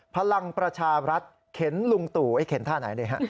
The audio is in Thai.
พลังประชารัฐเข็นลุงตู่เข็นท่าไหนดีฮะ